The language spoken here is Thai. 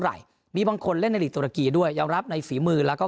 ไหล่มีบางคนเล่นในหลีกตุรกีด้วยยอมรับในฝีมือแล้วก็